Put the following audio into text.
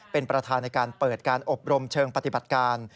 เป็นประธานในการเปิดการอบรมเชิงปฏิบัติการ